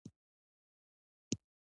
زما مورجانه دکوچنی سره یې پر آس جګ کړل،